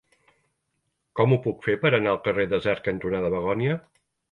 Com ho puc fer per anar al carrer Desert cantonada Begònia?